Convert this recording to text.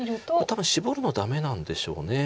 多分シボるのダメなんでしょう。